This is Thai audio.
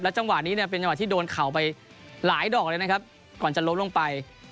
จังหวะนี้เนี่ยเป็นจังหวะที่โดนเข่าไปหลายดอกเลยนะครับก่อนจะล้มลงไป